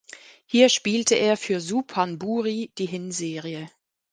Hier spielte er für Suphanburi die Hinserie.